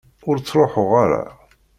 Ur ttṛuḥuɣ ara.